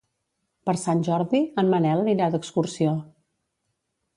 Per Sant Jordi en Manel anirà d'excursió.